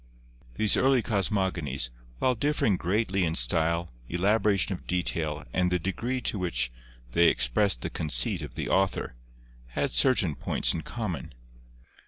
These early cosmogonies, while differing greatly in style, elaboration of detail and the degree to which they expressed the conceit of the author, had certain points in common.